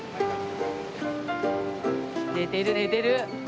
寝てる寝てる。